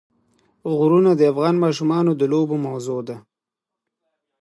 غرونه د افغان ماشومانو د لوبو موضوع ده.